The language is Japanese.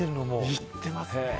行ってますね。